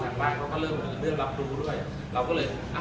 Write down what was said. และสมัยนะออกได้ไม่ได้ออกเลย